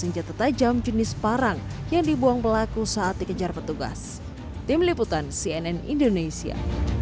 senjata tajam jenis parang yang dibuang pelaku saat dikejar petugas tim liputan cnn indonesia